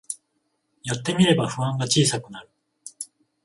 やってみれば不安が小さくなる